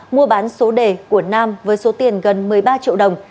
mua bán số đề của nam với số tiền gần một mươi ba triệu đồng